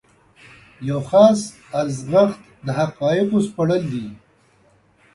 یو خاص ارزښت د حقایقو سپړل دي.